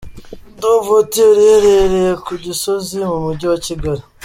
Dove Hotel iherereye ku Gisozi mu Mujyi wa Kigali.